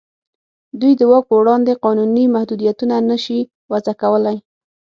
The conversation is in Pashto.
دوی د واک په وړاندې قانوني محدودیتونه نه شي وضع کولای.